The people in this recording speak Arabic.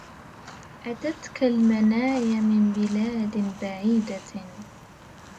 أتتك المنايا من بلاد بعيدة